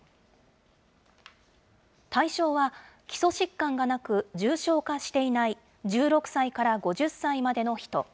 対象は、基礎疾患がなく、重症化していない１６歳から５０歳までの人。